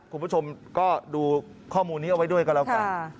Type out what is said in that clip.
คุณผู้ชมก็ดูข้อมูลนี้เอาไว้ด้วยกันแล้วกัน